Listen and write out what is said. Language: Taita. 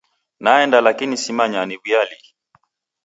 Naenda lakini simanya niwuya lii.